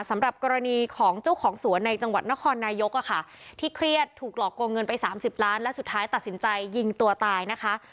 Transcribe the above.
สำหรับกรณีของเจ้าของสวนในจังหวัดนครนายกที่เครียดถูกหลอกโกงเงินไป๓๐ล้านและสุดท้ายตัดสินใจยิงตัวตายนะคะ